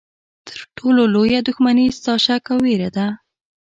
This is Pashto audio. تر ټولو لویه دښمني ستا شک او ویره ده.